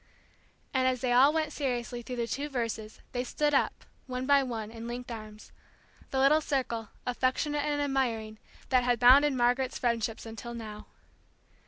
and as they all went seriously through the two verses, they stood up, one by one, and linked arms; the little circle, affectionate and admiring, that had bounded Margaret's friendships until now.